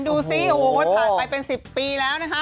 ดูสิโอ้โหผ่านไปเป็น๑๐ปีแล้วนะคะ